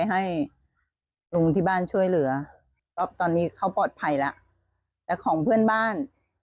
ช่องเครื่องบ้าน